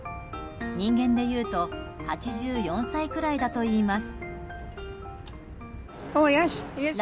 人間でいうと８４歳くらいだといいます。